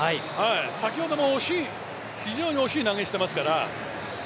先ほども非常に惜しい投げしていますから。